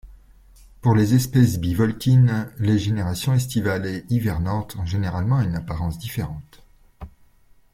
Pour les espèces bivoltines, les générations estivale et hivernante ont généralement une apparence différente.